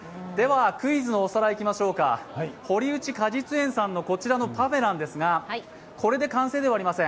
クイズのおさらい、いきましょうか、堀内果実園さんのこちらのパフェですがこれで完成ではありません。